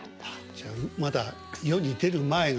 じゃまだ世に出る前の。